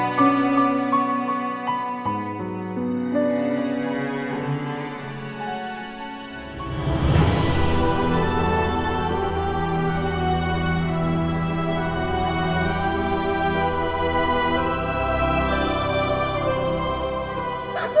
nanti aku mau bikin siang